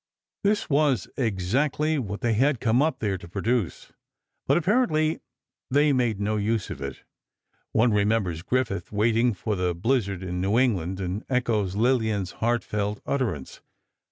This was exactly what they had come up there to produce, but apparently they made no use of it. One remembers Griffith waiting for the blizzard in New England, and echoes Lillian's heartfelt utterance.